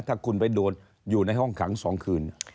ถ้าคุณไปโดนอยู่ในห้องขัง๒คืน